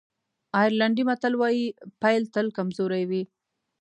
آیرلېنډی متل وایي پيل تل کمزوری وي.